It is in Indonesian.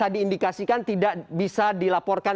dikasihkan tidak bisa dilaporkan